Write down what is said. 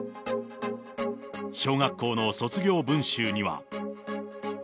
小学校の卒業文集には。